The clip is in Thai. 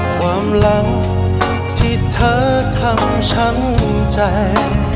ความรักที่เธอทำช้ำใจ